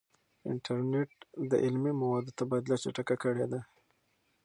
انټرنیټ د علمي موادو تبادله چټکه کړې ده.